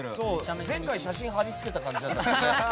前回、写真を貼り付けた感じだったけどね。